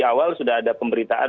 jadi di awal sudah ada pemberitaan